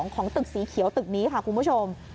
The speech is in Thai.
ของตึกสีเขียวตึกนี้ค่ะคุณผู้ชม